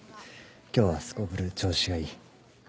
今日はすこぶる調子がいい。